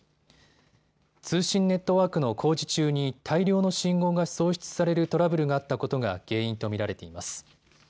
通信ネットワークの工事中に大量の信号が送出されるトラブルがあったことが原因と見られています。